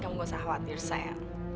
kamu gak usah khawatir sayang